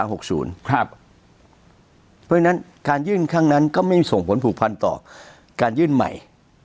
เพราะฉะนั้นการยื่นครั้งนั้นก็ไม่ส่งผลผูกพันต่อการยื่นใหม่